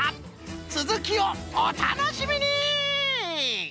つづきをおたのしみに！